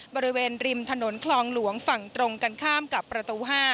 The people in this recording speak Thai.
บริเวณริมถนนคลองหลวงฝั่งตรงกันข้ามกับประตู๕